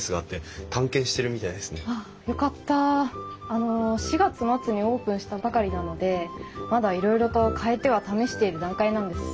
あの４月末にオープンしたばかりなのでまだいろいろと変えては試している段階なんです。